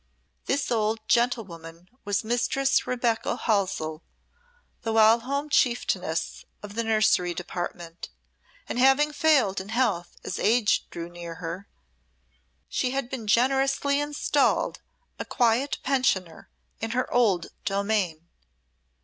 This old gentlewoman was Mistress Rebecca Halsell, the whilom chieftainess of the nursery department, and having failed in health as age drew near her, she had been generously installed a quiet pensioner in her old domain.